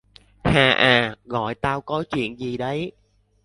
Hà à, gọi tao có chuyện gì đấy